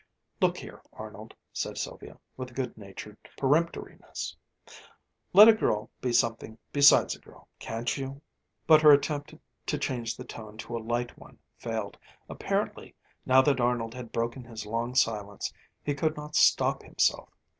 "Look here, Arnold," said Sylvia, with a good natured peremptoriness. "Let a girl be something besides a girl, can't you!" But her attempt to change the tone to a light one failed. Apparently, now that Arnold had broken his long silence, he could not stop himself.